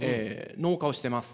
農家をしてます。